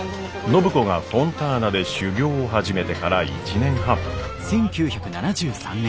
暢子がフォンターナで修業を始めてから１年半。